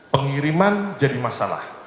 pengiriman jadi masalah